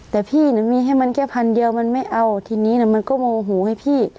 แต่พี่มีให้มันแค่พันเดียวมันไม่เอาทีนี้มันก็โมโหให้พี่